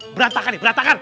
berantakan nih berantakan